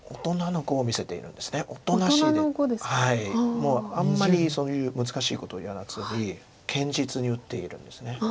もうあんまりそういう難しいことをやらずに堅実に打っているんです。